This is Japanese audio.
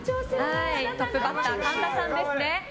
トップバッター神田さんですね。